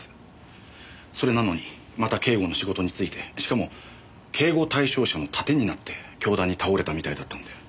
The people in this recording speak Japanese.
それなのにまた警護の仕事についてしかも警護対象者の盾になって凶弾に倒れたみたいだったんで。